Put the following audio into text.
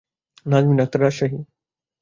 Nazmin Akhtar, Rajshahi.